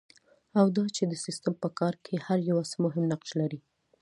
او دا چې د سیسټم په کار کې هر یو څه مهم نقش لري.